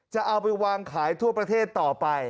จะเอาไปวางขายทั่วประเทศต่อไป